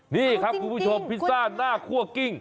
นี่ครับคุณผู้ชมพิซซ่าหน้าคั่วกิ้ง